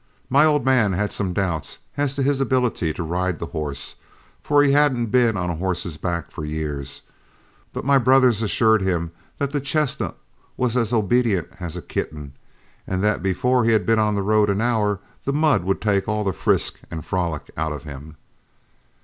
My old man had some doubts as to his ability to ride the horse, for he hadn't been on a horse's back for years; but my brothers assured him that the chestnut was as obedient as a kitten, and that before he had been on the road an hour the mud would take all the frisk and frolic out of him.